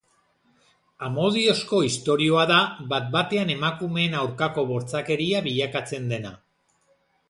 Amodiozko istorioa da, bat-batean emakumeen aurkako bortzakeria bilakatzen dena.